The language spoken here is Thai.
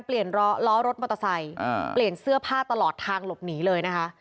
เปลี่ยนเสื้อผ้าตลอดทางหลบหนีเลยนะครับ